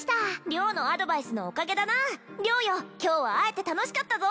良のアドバイスのおかげだな良よ今日は会えて楽しかったぞ